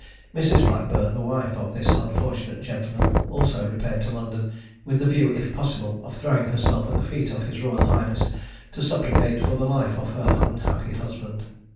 Mrs. Blackburn, the wife of this unfortunate gentleman, also repaired to London, with the view if possible of throwing herself at the feet of his Royal Highness to supplicate for the life of her unhappy husband.